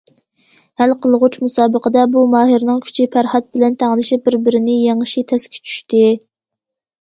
ھەل قىلغۇچ مۇسابىقىدە، بۇ ماھىرنىڭ كۈچى پەرھات بىلەن تەڭلىشىپ، بىر- بىرىنى يېڭىشى تەسكە چۈشتى.